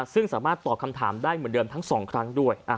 ซึ่งสามารถตอบคำถามได้เหมือนเดิมทั้ง๒ครั้งด้วย